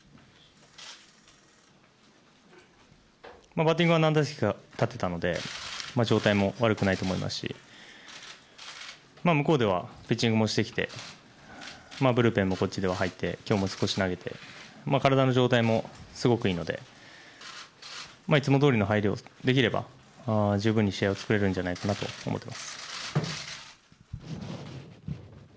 バッティングは何打席か立てたので状態も悪くないと思いますし向こうではピッチングもしてきてブルペンもこっちでは入って今日も少し投げて体の状態もすごくいいのでいつもどおりの入りができれば十分に試合を作れるんじゃないかなと思っています。